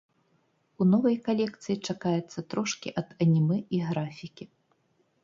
У новай калекцыі чакаецца трошкі ад анімэ і графікі.